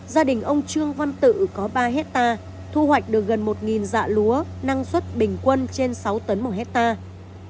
gia đình ông trương văn tự có ba hectare thu hoạch được gần một dạ lúa năng suất bình quân trên sáu tấn một hectare